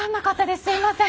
すいません。